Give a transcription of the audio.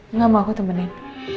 enggak mau aku temenin